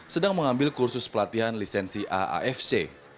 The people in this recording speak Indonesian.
sedang mengambil kursus pelatihan lisensi aafc